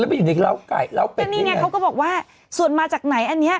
แล้วมันเป็นเหล้าไก่เหล้าเป็ดแล้วนี่ไงเขาก็บอกว่าส่วนมาจากไหนอันเนี้ย